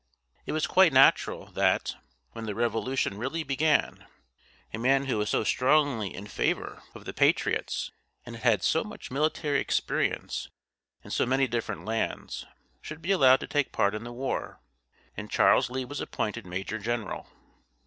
It was quite natural, that, when the Revolution really began, a man who was so strongly in favor of the patriots, and had had so much military experience in so many different lands, should be allowed to take part in the war, and Charles Lee was appointed major general.